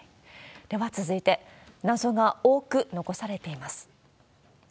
では続いて、謎が多く残されています。